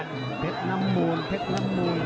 เจกน้ำมูนเช็บหนึ่งมุลหนึ่ง